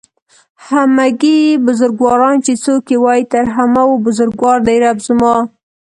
همگي بزرگواران چې څوک يې وايي تر همه و بزرگوار دئ رب زما